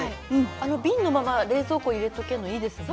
あの瓶のまま冷蔵庫に入れておけるのいいですね。